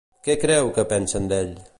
Què creu que pensen d'ell?